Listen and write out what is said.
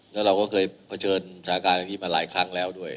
และเราก็เคยเผชิญสถาบันที่มาหลายครั้งแล้วด้วย